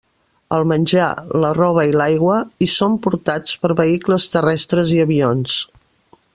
El menjar, la roba i l'aigua hi són portats per vehicles terrestres i avions.